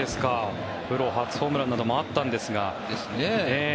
プロ初ホームランなどもあったんですが。